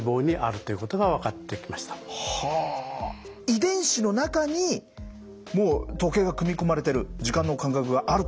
遺伝子の中にもう時計が組み込まれてる時間の感覚があるということなんですか。